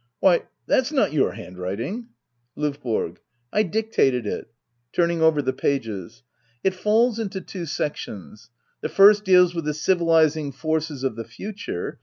Why, that's not your handwriting* LOVBORO. I dictated it. [Turning over the pc^es,] It falls into two sections. The first deals with the civilis ing forces of the future.